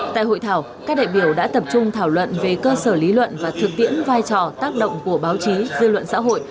tại hội thảo các đại biểu đã tập trung thảo luận về cơ sở lý luận và thực tiễn vai trò tác động của báo chí dư luận xã hội